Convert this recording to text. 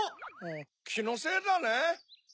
きのせいだね。